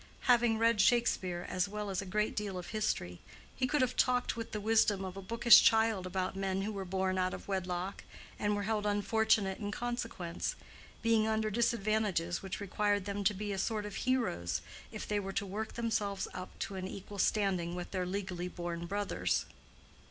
Having read Shakespeare as well as a great deal of history, he could have talked with the wisdom of a bookish child about men who were born out of wedlock and were held unfortunate in consequence, being under disadvantages which required them to be a sort of heroes if they were to work themselves up to an equal standing with their legally born brothers.